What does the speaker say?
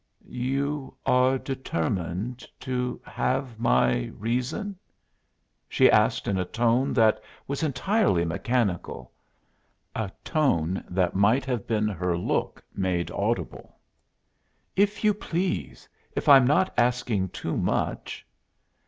"You are determined to have my reason?" she asked in a tone that was entirely mechanical a tone that might have been her look made audible. "If you please if I'm not asking too much."